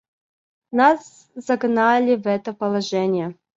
Нас загнали в это положение.